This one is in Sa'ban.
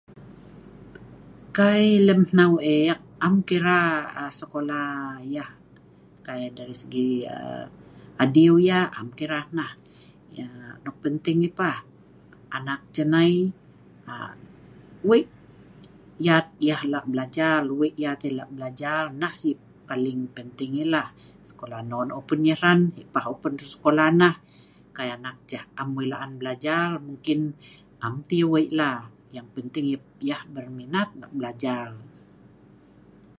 Kai lem hnau ek, am kira(mileq) sekola yah kai dari(erat)segi(ayo') adiu yah am kira(mileq)hnah. Nok penting ( si nok wei-wei ai) yah pah, anak ceh nai wei yat yah lak belajar(wan eleh) nah si paling penting ( lang-lang wei ) ai .sekolah non pun(tah) yah hran, si pah tah nan sekolah ai nga anak ceh am wei laan lak belajar am tah yah wei . Nok penting(si wei-wei) yah berminat(wei laan) lak belajar(wan eleh)